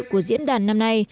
của diễn đàn năm nay